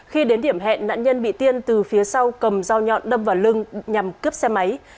khi đến điểm hẹn nạn nhân bị tiên từ phía sau cầm dao nhọn đâm vào lưng nhằm cướp xe máy